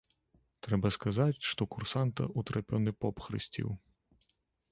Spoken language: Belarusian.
Трэба сказаць, што курсанта ўтрапёны поп хрысціў.